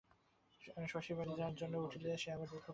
শশী বাড়ি যাওয়ার জন্য উঠিলে সে আবার মুখ খোলে।